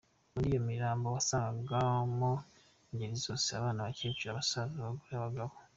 Muri iyo mirambo wasangaga mo ingeri zose: abana, abacyecuru, abasaza, abagore, abagabo…